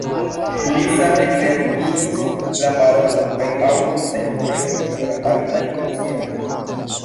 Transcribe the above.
Li same identigis la parolo- kaj aŭdo-centrojn kiel apartajn funkciojn.